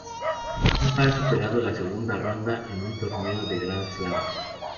Nunca ha superado la segunda ronda en un torneo de Grand Slam.